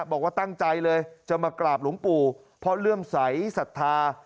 บอกว่าตั้งใจเลยจะมากราบหลวงปู่เพราะเลื่อมใสสัทธา